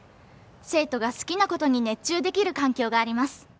生徒が好きなことに熱中できる環境があります。